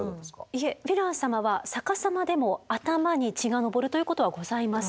いえヴィラン様は逆さまでも頭に血が上るということはございません。